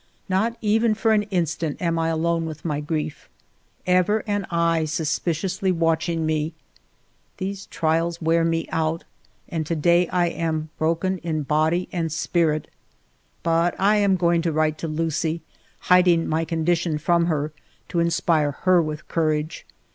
Not even for an instant am I alone with my grief. Ever an eye suspiciously watching me. ALFRED DREYFUS 159 These trials wear me out, and to day I am broken in body and spirit. But I am going to write to Lucie, hiding my condition from her, to inspire her with courage.